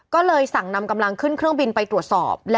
ก็เลยสั่งนำกำลังขึ้นเครื่องบินไปตรวจสอบ